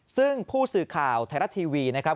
ซึ่งผู้สื่อข่าวไทยรัฐทีวีนะครับ